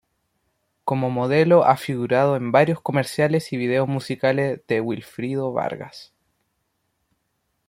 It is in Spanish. Como modelo ha figurado en varios comerciales y vídeos musicales de Wilfrido Vargas.